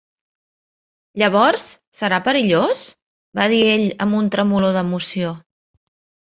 "Llavors, serà perillós?", va dir ell amb un tremolor d'emoció.